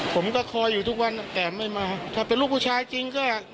คอยอยู่ทุกวันแต่ไม่มาถ้าเป็นลูกผู้ชายจริงก็